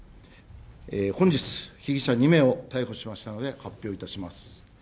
本日、被疑者２名を逮捕しましたので発表いたします。